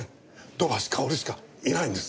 土橋かおるしかいないんです。